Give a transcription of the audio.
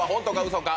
嘘か？